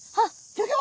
ギョギョ！